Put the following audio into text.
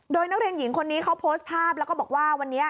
โดยนักเรียนหญิงคนนี้เขาโพสต์ภาพแล้วก็บอกว่าวันนี้